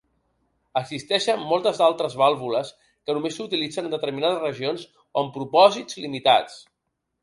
Existeixen moltes altres vàlvules que només s'utilitzen en determinades regions o amb propòsits limitats.